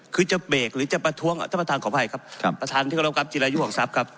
คือจะเบกหรือจะประท้วงท่านประทานขอบภัยครับครับประทานที่กรรมกรรมจิลยูของทรัพย์ครับ